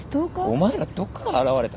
お前らどっから現れた？